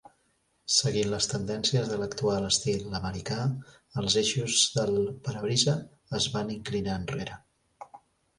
Seguint les tendències de l'actual estil americà, els eixos del parabrisa es van inclinar enrere.